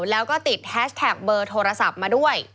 แล้วก็ติดแฮชแท็กเบอร์โทรศัพท์มาด้วย